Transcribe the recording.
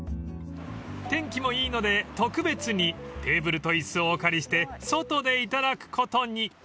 ［天気もいいので特別にテーブルと椅子をお借りして外で頂くことに］